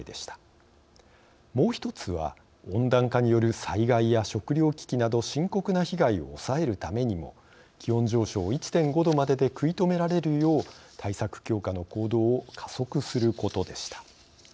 もう一つは温暖化による災害や食糧危機など深刻な被害を抑えるためにも気温上昇を１．５℃までで食い止められるよう対策強化の行動を加速することでした。